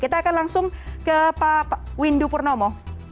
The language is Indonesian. kita akan langsung ke pak windu purnomo